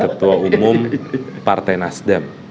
ketua umum partai nasdem